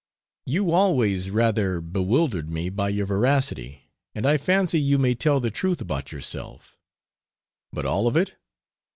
You always rather bewildered me by your veracity, and I fancy you may tell the truth about yourself. But all of it?